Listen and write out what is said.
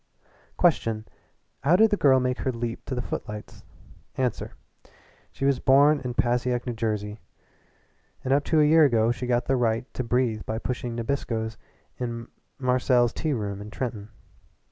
Question how did the girl make her leap to the footlights? Answer she was born in Passaic, New Jersey, and up to a year ago she got the right to breathe by pushing Nabiscoes in Marcel's tea room in Trenton.